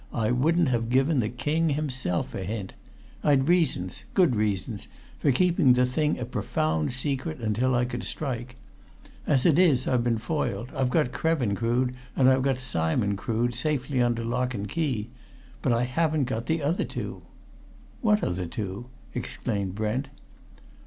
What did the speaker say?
"I wouldn't have given the King himself a hint! I'd reasons good reasons for keeping the thing a profound secret until I could strike. As it is, I've been foiled. I've got Krevin Crood, and I've got Simon Crood safely under lock and key. But I haven't got the other two!" "What other two?" exclaimed Brent.